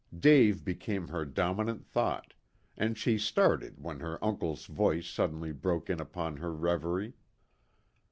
Dave became her dominant thought, and she started when her uncle's voice suddenly broke in upon her reverie.